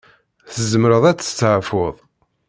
Tzemreḍ ad testeɛfuḍ.